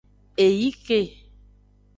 Eyi ke.